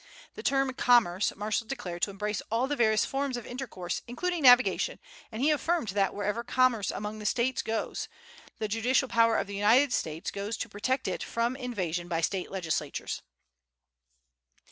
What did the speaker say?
The term "commerce" Marshall declared to embrace all the various forms of intercourse, including navigation, and he affirmed that "wherever commerce among the States goes, the judicial power of the United States goes to protect it from invasion by State legislatures."